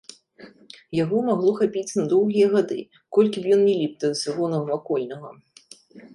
Яго магло хапіць на доўгія гады, колькі б ён ні ліп да ўсяго навакольнага.